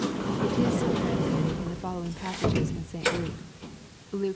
It is so translated in the following passages in St. Luke, (Luke v.